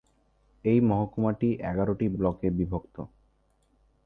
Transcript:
এই মহকুমাটি এগারোটি ব্লকে বিভক্ত।